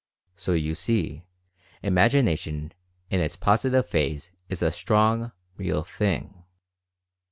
So you see, Imagina tion, in its Positive phase is a strong, real thing.